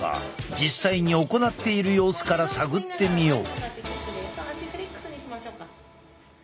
実際に行っている様子から探ってみよう。